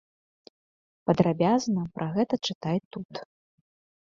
Падрабязна пра гэта чытай тут.